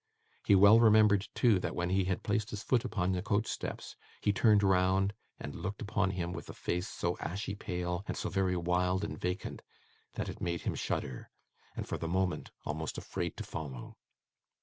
He well remembered, too, that when he had placed his foot upon the coach steps, he turned round and looked upon him with a face so ashy pale and so very wild and vacant that it made him shudder, and for the moment almost afraid to follow.